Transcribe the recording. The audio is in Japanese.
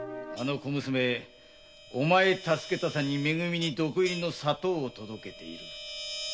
あの娘お前助けたさに「め組」に毒入りの砂糖を届けている。